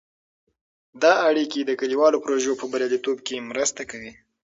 دا اړیکې د کلیوالو پروژو په بریالیتوب کې مرسته کوي.